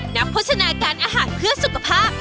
โฆษณาการอาหารเพื่อสุขภาพ